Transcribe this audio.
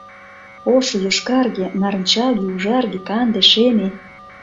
Ошо, йошкарге, нарынчалге, ужарге, канде, шеме.